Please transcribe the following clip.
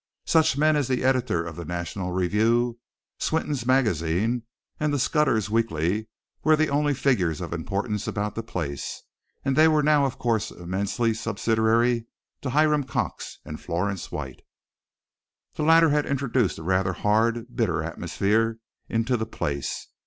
Such men as the editor of the National Review, Swinton's Magazine, and Scudder's Weekly were the only figures of importance about the place, and they were now of course immensely subsidiary to Hiram Colfax and Florence White. The latter had introduced a rather hard, bitter atmosphere into the place.